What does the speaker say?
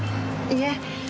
いえ。